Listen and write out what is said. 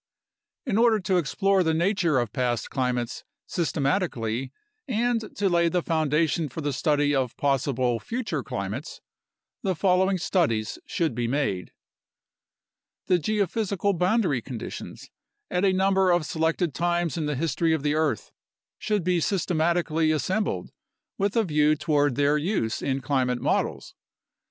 In order to explore the nature of past climates systematically and to lay the foundation for the study of possible future climates, the fol lowing studies should be made : The geophysical boundary conditions at a number of selected times in the history of the earth should be systematically assembled with a view toward their use in climate models.